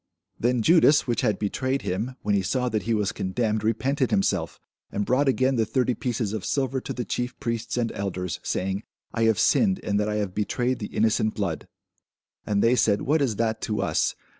Then Judas, which had betrayed him, when he saw that he was condemned, repented himself, and brought again the thirty pieces of silver to the chief priests and elders, saying, I have sinned in that I have betrayed the innocent blood. And they said, What is that to us?